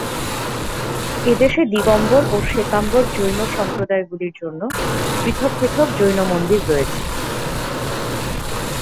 এদেশে দিগম্বর ও শ্বেতাম্বর জৈন সম্প্রদায়গুলির জন্য পৃথক পৃথক জৈন মন্দির রয়েছে।